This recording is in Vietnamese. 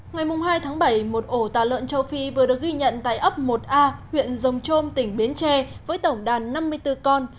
ngày hai tháng bảy một ổ tà lợn châu phi vừa được ghi nhận tại ấp một a huyện rồng trôm tỉnh bến tre với tổng đàn năm mươi bốn con